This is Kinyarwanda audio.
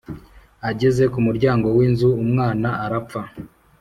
ageze ku muryango w’inzu umwana arapfa